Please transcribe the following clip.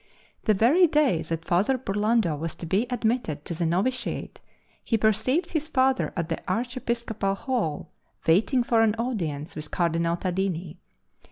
The very day that Father Burlando was to be admitted to the novitiate he perceived his father at the Archepiscopal Hall, waiting for an audience with Cardinal Tadini.